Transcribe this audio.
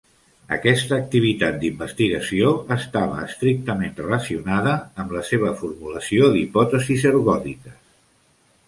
Aquesta activitat d'investigació estava estrictament relacionada amb la seva formulació d'hipòtesis ergòdiques.